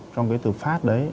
trong cái từ phát đấy